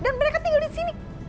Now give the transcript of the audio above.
dan mereka tinggal disini